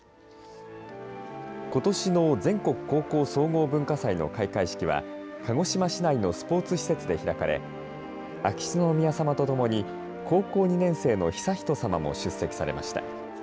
ことしの全国高校総合文化祭の開会式は鹿児島市内のスポーツ施設で開かれ秋篠宮さまとともに高校２年生の悠仁さまも出席されました。